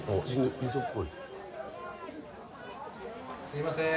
すいません。